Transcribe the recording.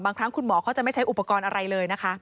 ครั้งคุณหมอเขาจะไม่ใช้อุปกรณ์อะไรเลยนะคะ